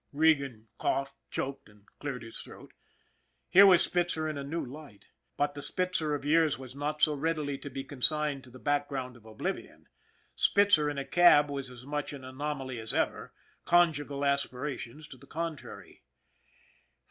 Regan coughed, choked, and cleared his throat. Here was Spitzer in a new light, but the Spitzer of years was not so readily to be consigned to the back ground of oblivion. Spitzer in a cab was as much an anomaly as ever, conjugal aspirations to the con trary.